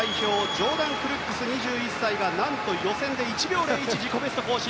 ジョーダン・クルックス２１歳が何と、予選で１秒０１自己ベスト更新。